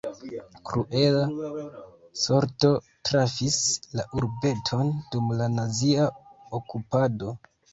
Kruela sorto trafis la urbeton dum la nazia okupado.